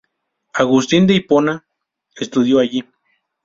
Agustín de Hipona estudió allí.